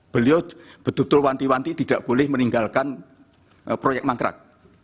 beliau betul betul wanti wanti tidak boleh meninggalkan proyek mangkrak